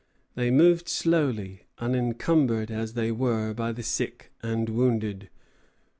They moved slowly, encumbered as they were by the sick and wounded.